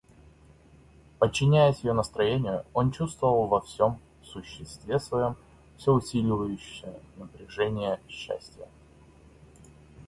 Подчиняясь ее настроению, он чувствовал во всем существе своем всё усиливающееся напряжение счастия.